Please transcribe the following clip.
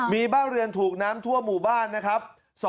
มีบ้านเรือนถูกน้ำทั่วหมู่บ้านนะครับ